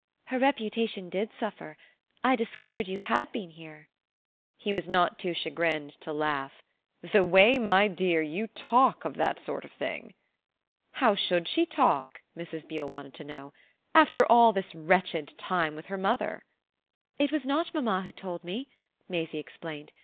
"Her reputation did suffer. I discovered you had been here." He was not too chagrined to laugh. "The way, my dear, you talk of that sort of thing!" "How should she talk," Mrs. Beale wanted to know, "after all this wretched time with her mother?" "It was not mamma who told me," Maisie explained.